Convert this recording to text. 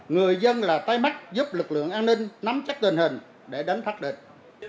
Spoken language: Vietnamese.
người dân là tay mắt giúp lực lượng an ninh nắm chắc tình hình để đánh phát địch